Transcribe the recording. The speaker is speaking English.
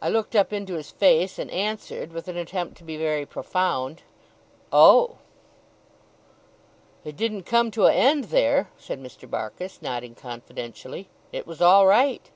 I looked up into his face, and answered, with an attempt to be very profound: 'Oh!' 'It didn't come to a end there,' said Mr. Barkis, nodding confidentially. 'It was all right.